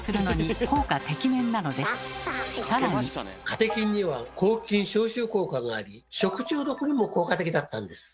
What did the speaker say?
カテキンには抗菌・消臭効果があり食中毒にも効果的だったんです。